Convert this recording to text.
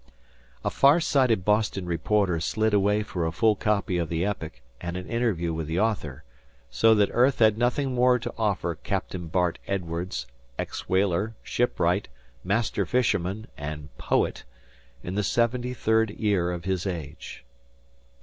A far sighted Boston reporter slid away for a full copy of the epic and an interview with the author; so that earth had nothing more to offer Captain Bart Edwardes, ex whaler, shipwright, master fisherman, and poet, in the seventy third year of his age.